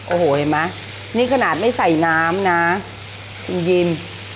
โอ้โหเห็นมั้ยนี่ขนาดไม่ใส่น้ำนะกินกิน